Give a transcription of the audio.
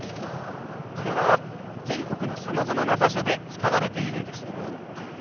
これは全国のさまざまな場所で使われているんですよ。